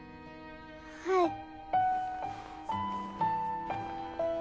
はい！